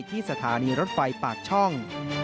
ที่สถานีรถไฟปากช่อง